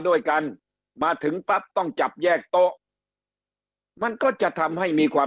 ด้วยกันมาถึงปั๊บต้องจับแยกโต๊ะมันก็จะทำให้มีความ